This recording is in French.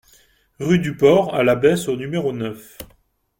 Rue du Port à l'Abbesse au numéro neuf